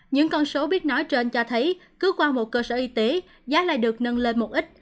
những con số biết nói trên cho thấy cứ qua một cơ sở y tế giá lại được nâng lên một ít